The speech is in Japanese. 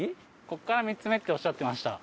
ここから３つ目っておっしゃってました。